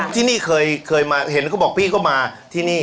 ที่นี่เคยมาเห็นเขาบอกพี่ก็มาที่นี่